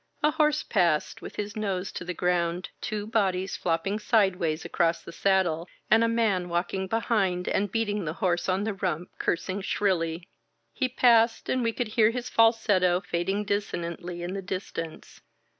A horse passed with his nose to the ground, two bodies flopping sideways across the sad die, and a man walking behind and beating the horse on the riunp, cursing shrilly. He passed, and we could hear his falsetto fading dissonantly in the distance.